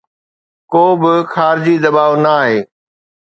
ڪوبه خارجي دٻاءُ ناهي.